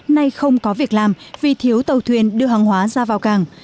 nay không có việc làm vì thiếu tàu thuyền đưa hàng hóa ra vào cảng